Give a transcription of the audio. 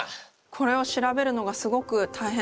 これを調べるのがすごく大変だったんです。